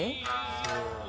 そう。